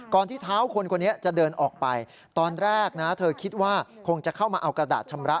ที่เท้าคนคนนี้จะเดินออกไปตอนแรกนะเธอคิดว่าคงจะเข้ามาเอากระดาษชำระ